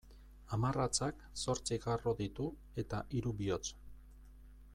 Hamarratzak zortzi garro ditu eta hiru bihotz.